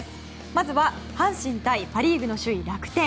まずは阪神対パ・リーグの首位、楽天。